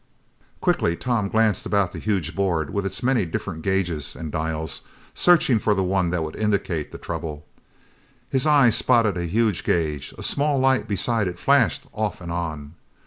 Quickly Tom glanced about the huge board with its many different gauges and dials, searching for the one that would indicate the trouble. His eye spotted a huge gauge. A small light beside it flashed off and on.